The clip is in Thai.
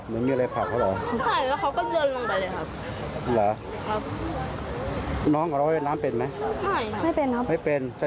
น้องกับเราเวียดน้ำเป็นไหมไม่ครับไม่เป็นครับ